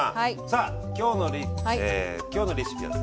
さあ今日のレシピはですね